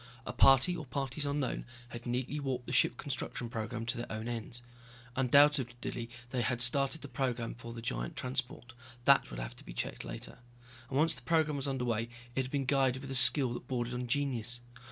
A party or parties unknown had neatly warped the ship construction program to their own ends. Undoubtedly they had started the program for the giant transport, that would have to be checked later. And once the program was underway, it had been guided with a skill that bordered on genius.